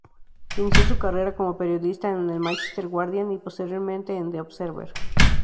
Inició su carrera como periodista en el Manchester Guardian y, posteriormente, en The Observer.